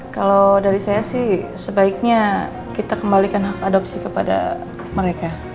kalau dari saya sih sebaiknya kita kembalikan hak adopsi kepada mereka